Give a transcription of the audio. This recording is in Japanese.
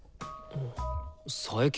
佐伯。